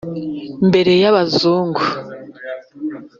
Mbere y’abazungu,